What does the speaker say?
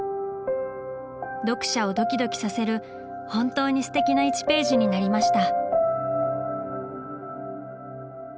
読者をドキドキさせる本当に素敵な１ページになりました。